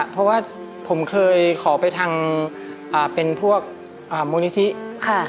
เพราะว่าผมเคยขอไปทางเป็นพวกมูลนิธิค่ะ